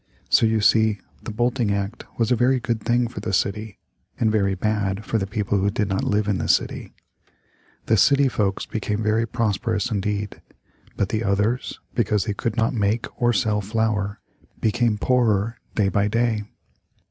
So you see the Bolting Act was a very good thing for the city, and very bad for the people who did not live in the city. The city folks became very prosperous indeed, but the others, because they could not make or sell flour, became poorer day by day.